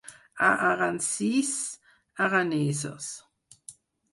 A Aransís, aranesos.